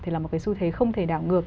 thì là một cái xu thế không thể đảo ngược